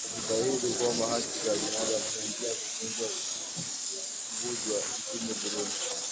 ni dhahiri kwamba haki za binaadam zinaendelea kuvujwa nchini burundi